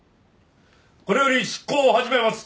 これより執行を始めます！